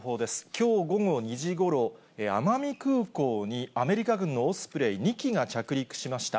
きょう午後２時ごろ、奄美空港にアメリカ軍のオスプレイ２機が着陸しました。